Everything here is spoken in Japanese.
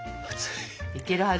いけるはず。